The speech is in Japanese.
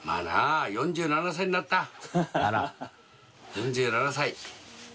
４７歳！